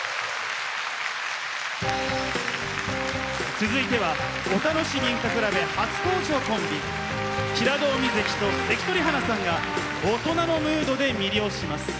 続いては「お楽しみ歌くらべ」初登場コンビ平戸海関と関取花さんが大人のムードで魅了します。